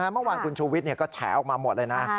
เมื่อวานคุณชูวิทย์ก็แฉออกมาหมดเลยนะ